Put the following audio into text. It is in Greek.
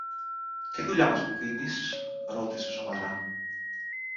Τι δουλειά μας προτείνεις; ρώτησε σοβαρά.